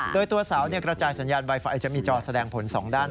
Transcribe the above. โดยตัวเสากระจายสัญญาณไวไฟจะมีจอแสดงผลสองด้าน